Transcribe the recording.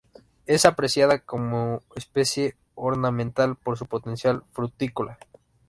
Es apreciada como especie ornamental por su potencial frutícola.